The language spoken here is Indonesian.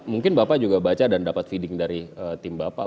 mungkin bapak juga baca dan dapat feeding dari tim bapak